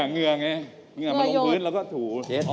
เหงื่อมาลงพื้นแล้วก็ถู